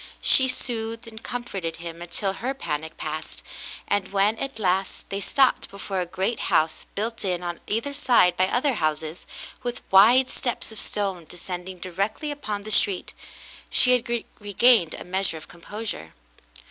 She soothed and comforted him until her panic passed, and when, at last, they stopped before a great house built in on either side by other houses, with wide steps of stone descending directly upon the street, she had regained a measure of composure.